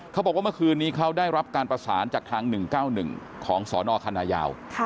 เขาบอกว่าเมื่อคืนนี้เขาได้รับการประสานจากทาง๑๙๑ของสนคณะยาว